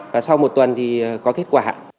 và sau một tuần thì có kết quả